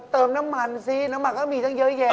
เติมน้ำมันซิน้ำมันก็มีตั้งเยอะแยะ